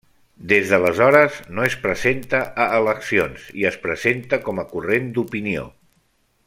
Des d'aleshores no es presenta a eleccions i es presenta com a corrent d'opinió.